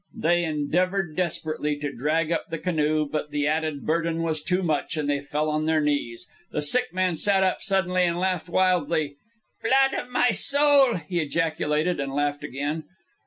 They endeavored desperately to drag up the canoe, but the added burden was too much, and they fell on their knees. The sick man sat up suddenly and laughed wildly. "Blood of my soul!" he ejaculated, and laughed again.